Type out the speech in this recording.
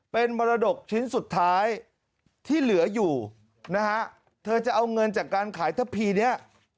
เป็นมรดกชิ้นสุดท้ายที่เหลืออยู่นะฮะเธอจะเอาเงินจากการขายทะพีนี้